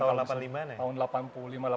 tahun delapan puluh lima tahun